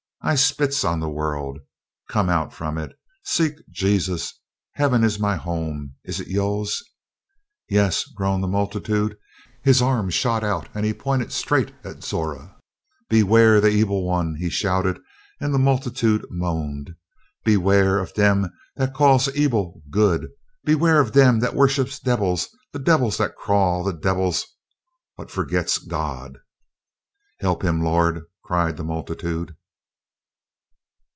I spits on the world! Come out from it. Seek Jesus. Heaven is my home! Is it yo's?" "Yes," groaned the multitude. His arm shot out and he pointed straight at Zora. "Beware the ebil one!" he shouted, and the multitude moaned. "Beware of dem dat calls ebil good. Beware of dem dat worships debbils; the debbils dat crawl; de debbils what forgits God." "Help him, Lord!" cried the multitude.